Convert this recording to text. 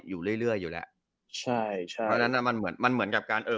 อยู่เรื่อยเรื่อยอยู่แล้วใช่ใช่มันเหมือนมันเหมือนกับการเออ